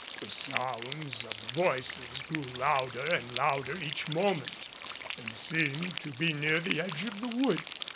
The sounds of the voices grew louder and louder each moment and seemed to be near the edge of the wood.